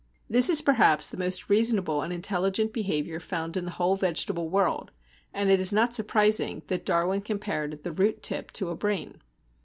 This is perhaps the most reasonable and intelligent behaviour found in the whole vegetable world, and it is not surprising that Darwin compared the root tip to a brain.